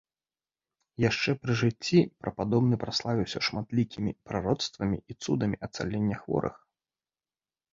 Яшчэ пры жыцці прападобны праславіўся шматлікімі прароцтвамі і цудамі ацалення хворых.